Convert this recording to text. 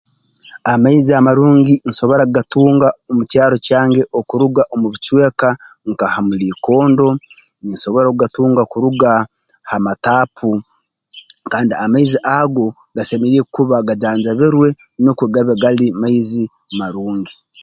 Amaizi amarungi nsobora kugatunga omu kyaro kyange okuruga omu bicweka nka ha muliikondo nsobora okugatunga kuruga ha mataapu kandi amaizi ago gasemeriire kuba gajanjabirwe nukwe gabe gali maizi marungi